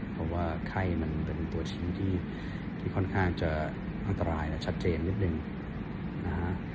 เพราะไข้เป็นตัวชีวิตที่ข้อนข้างจะอันตรายชัดเจน